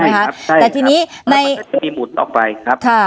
มันก็จะมีหมุนต่อไปครับ